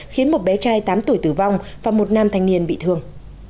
khiến một bé trai tám tuổi tử vong và một nam thanh niên bị thương